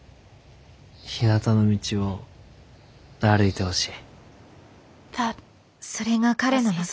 ひなたの道を歩いてほしい。